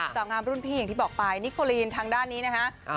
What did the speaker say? สาวงามรุ่นพี่อย่างที่บอกไปนิโคลีนทางด้านนี้นะฮะ